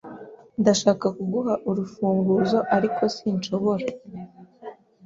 Ndashaka kuguha urufunguzo, ariko sinshobora.